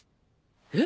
えっ？